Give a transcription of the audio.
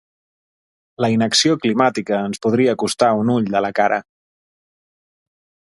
La inacció climàtica ens podria costar un ull de la cara.